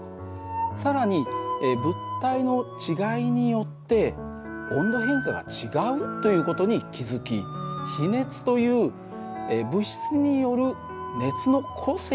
更に物体の違いによって温度変化が違うという事に気付き比熱という物質による熱の個性に気が付いたんですね。